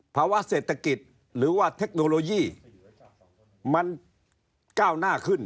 ภาวะเศรษฐกิจหรือว่าเทคโนโลยีมันก้าวหน้าขึ้น